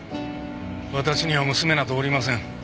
私には娘などおりません。